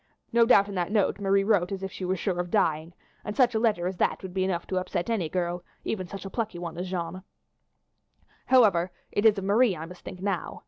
No doubt in that note Marie wrote as if she were sure of dying, and such a letter as that would be enough to upset any girl, even such a plucky one as Jeanne. "However, it is of Marie I must think now.